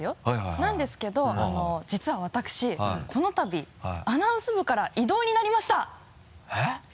なんですけど実は私このたびアナウンス部から異動になりました！